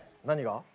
何が？